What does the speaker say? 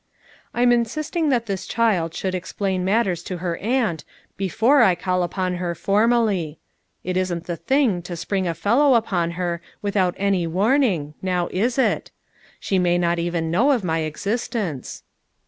"I'm insisting that this child should explain matters to her aunt, before I call upon her for mally. It isn't the thing to spring a fellow upon her without any warning; now is it? She may not even know of my existence."